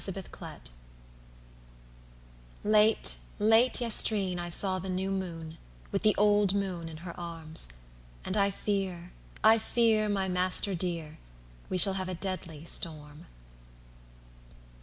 Dejection: an Ode Late, late yestreen I saw the new Moon, With the old Moon in her arms; And I fear, I fear, my master dear! We shall have a deadly storm.